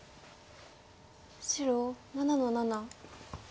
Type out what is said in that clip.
白７の七。